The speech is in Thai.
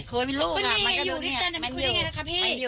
คือมีโรคอ่ะมันอยู่มันอยู่มันอยู่มันอยู่มันอยู่มันอยู่